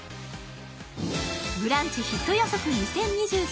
ブランチヒット予測２０２３。